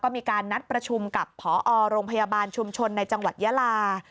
มีการนัดประชุมกับผอโรงพยาบาลชุมชนในจังหวัดยาลา